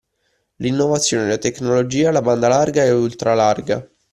L’innovazione, la tecnologia, la banda larga e ultralarga